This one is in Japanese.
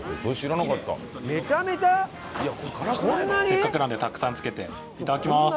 せっかくなんでたくさんつけていただきます。